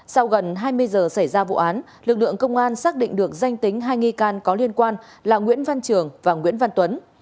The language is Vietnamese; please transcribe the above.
sau gần hai mươi giờ xảy ra vụ án lực lượng công an xác định được danh tính hai nghi can có liên quan là nguyễn văn trường và nguyễn văn tuấn